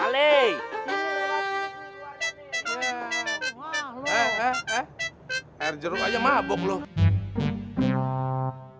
air jeruk aja mabuk loh